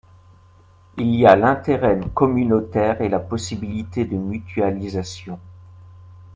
Il y a l’intérêt communautaire et la possibilité de mutualisation.